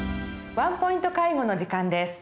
「ワンポイント介護」の時間です。